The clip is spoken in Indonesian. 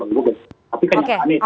tapi kenyataannya itu seringkali sulit